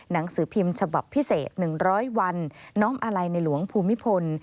หนังสือพิมพ์ฉบับพิเศษ๑๐๐วันน้อมอาลัยในหลวงภูมิพล